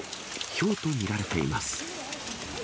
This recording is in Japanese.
ひょうと見られています。